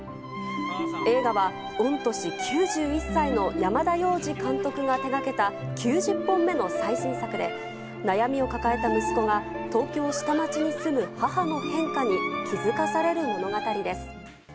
映画は、御年９１歳の山田洋次監督が手がけた９０本目の最新作で、悩みを抱えた息子が、東京下町に住む母の変化に気付かされる物語です。